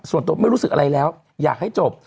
ส่วนตัวไม่รู้สึกอะไรแล้วอยากให้จบ